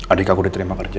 adik aku diterima kerja